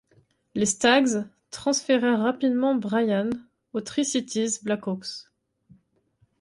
Les Stags transférèrent rapidement Brian aux Tri-Cities Blackhawks.